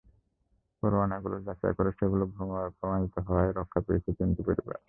পরোয়ানাগুলো যাচাই করে সেগুলো ভুয়া প্রমাণিত হওয়ায় রক্ষা পেয়েছে তিনটি পরিবার।